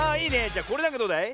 じゃこれなんかどうだい？